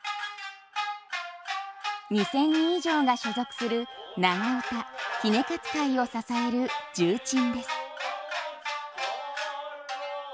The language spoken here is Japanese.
２，０００人以上が所属する長唄杵勝会を支える重鎮です。